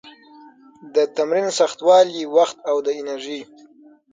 د تمرین سختوالي، وخت او د انرژي